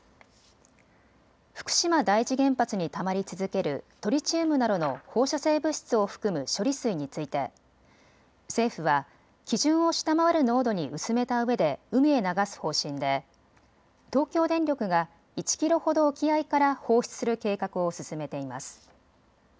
福島第一原発にたまり続けるトリチウムなどの放射性物質を含む処理水について政府は基準を下回る濃度に薄めたうえで海へ流す方針で東京電力が１キロほど沖合から放出する計画を進めています。